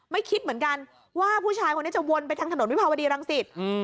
คิดเหมือนกันว่าผู้ชายคนนี้จะวนไปทางถนนวิภาวดีรังสิต